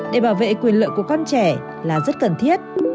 để bảo vệ quyền lợi của con trẻ là rất cần thiết